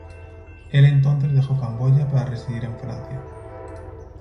Él entonces dejó Camboya, para residir en Francia.